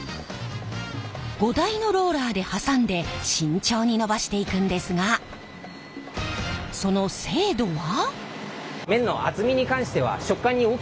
５台のローラーで挟んで慎重に延ばしていくんですがその精度は。